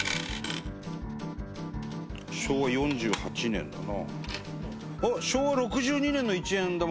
伊達：昭和４８年だな。